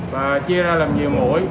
và chia ra làm nhiều mũi